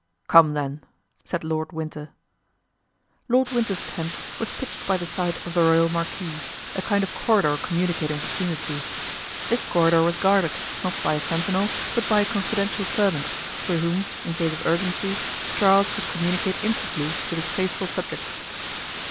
"Come, then," said Lord Winter. Lord Winter's tent was pitched by the side of the royal marquee, a kind of corridor communicating between the two. This corridor was guarded, not by a sentinel, but by a confidential servant, through whom, in case of urgency, Charles could communicate instantly with his faithful subject.